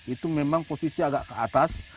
itu memang posisi agak ke atas